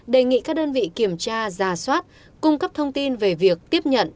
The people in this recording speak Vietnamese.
đề nghị các đơn vị kiểm tra giả soát cung cấp thông tin về việc tiếp nhận